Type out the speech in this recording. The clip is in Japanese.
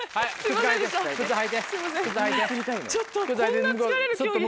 こんな疲れる競技。